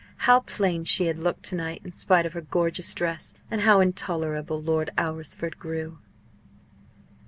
How plain she had looked to night in spite of her gorgeous dress! and how intolerable Lord Alresford grew!